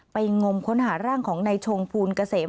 งมค้นหาร่างของในชงภูลเกษม